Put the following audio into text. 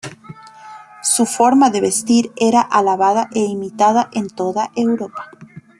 Su forma de vestir era alabada e imitada en toda Europa.